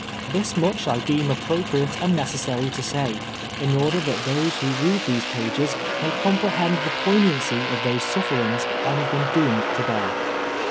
This much I deem appropriate and necessary to say, in order that those who read these jtages, may comprehend the poignancy of those suf ferings I have been dounied to bear.